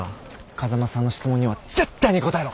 風間さんの質問には絶対に答えろ。